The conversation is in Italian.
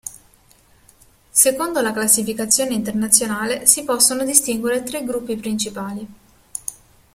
Secondo la classificazione internazionale si possono distinguere tre gruppi principali.